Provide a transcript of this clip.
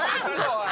おい。